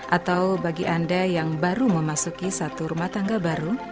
atau bagi anda yang baru memasuki satu rumah tangga baru